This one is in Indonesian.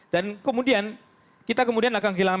dan kemudian kita akan kehilangan